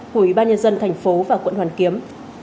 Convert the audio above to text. của ủy ban nhân dân thành phố và quận hoàn kiếm